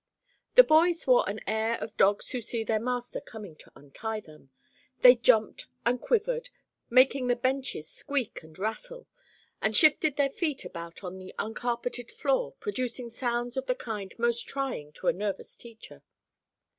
The boys wore the air of dogs who see their master coming to untie them; they jumped and quivered, making the benches squeak and rattle, and shifted their feet about on the uncarpeted floor, producing sounds of the kind most trying to a nervous teacher.